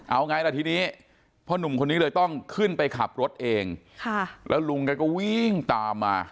เอาไงล่ะทีนี้พ่อหนุ่มคนนี้เลยต้องขึ้นไปขับรถเองแล้วลุงแกก็วิ่งตามมา